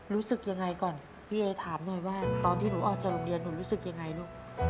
รู้สึกยังไงก่อนพี่เอถามหน่อยว่าตอนที่หนูออกจากโรงเรียนหนูรู้สึกยังไงลูก